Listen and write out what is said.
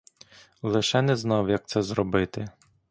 Лише не знав, як це зробити.